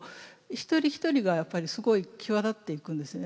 一人一人がやっぱりすごい際立っていくんですね。